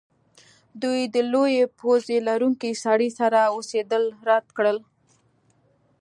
دوی د لویې پوزې لرونکي سړي سره اوسیدل رد کړل